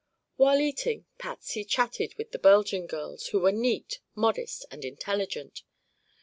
While eating, Patsy chatted with the Belgian girls, who were neat, modest and intelligent.